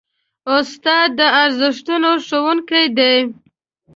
استاد د ارزښتونو ښوونکی دی.